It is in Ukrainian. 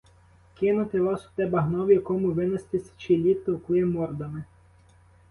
Кинути вас у те багно, в якому ви нас тисячі літ товкли мордами.